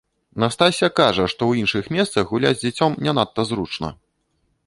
Настасся кажа, што і ў іншых месцах гуляць з дзіцем не надта зручна.